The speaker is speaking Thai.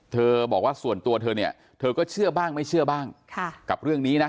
บอกว่าส่วนตัวเธอเนี่ยเธอก็เชื่อบ้างไม่เชื่อบ้างกับเรื่องนี้นะ